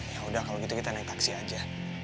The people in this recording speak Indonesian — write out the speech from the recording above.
yaudah kalau gitu kita naik taksi aja